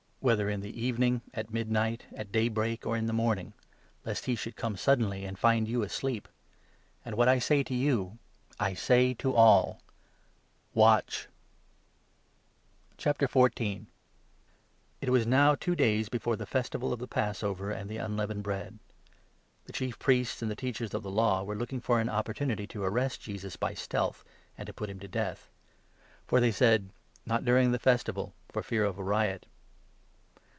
33 whether in the evening, at midnight, at daybreak, or in the morning — lest he should come suddenly and find you asleep. 36 And what I say to you I say to all — Watch !" 37 The Plot ^ was now *wo days before the Festival of the i 14 against Passover and the Unleavened Bread. The jesus. Chief Priests and the Teachers of the Law were looking for an opportunity to arrest Jesus by stealth, and to put him to death ; for they said :'' Not during the Festival, 2 for fear of a riot."